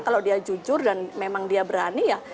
kalau dia jujur dan memang dia berani ya